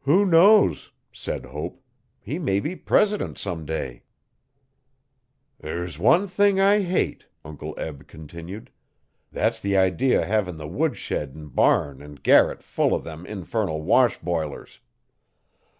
'Who knows,' said Hope. 'He may be president someday. 'Ther's one thing I hate,' Uncle El continued. 'That's the idee o hevin' the woodshed an' barn an' garret full o' them infernal wash bilers.